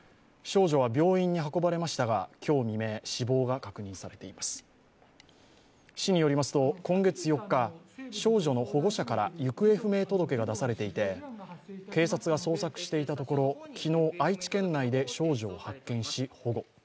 少女は病院に運ばれましたが今日未明、死亡が確認されています市によりますと、今月４日少女の保護者から行方不明届が出されていて警察が捜索していたところ昨日、愛知県内で少女を発見し、保護。